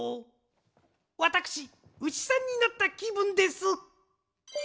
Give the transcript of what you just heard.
わたくしうしさんになったきぶんです。